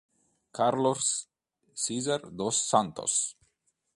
Carlos César dos Santos